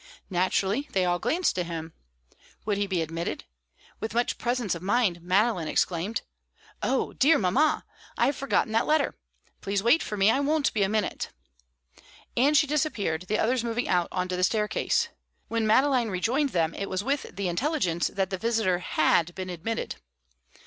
Naturally they all glanced at him. Would he be admitted? With much presence of mind, Madeline exclaimed, "Oh dear, mamma! I have forgotten that letter. Please wait for me; I won't be a minute." And she disappeared, the others moving out on to the staircase. When Madeline rejoined them, it was with the intelligence that the visitor had been admitted.